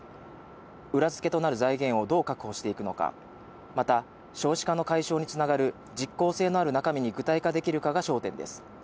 裏付けとなる財源をどう確保していくのか、また少子化の解消に繋がる実効性のある中身に具体化できるかが焦点です。